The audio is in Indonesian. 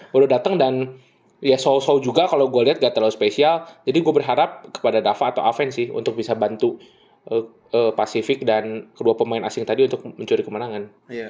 baru dateng dan ya so so juga kalau gue lihat gak terlalu spesial jadi gue berharap kepada dava atau aven sih untuk bisa bantu pasifik dan kedua pemain asing tadi untuk mencuri kemenangan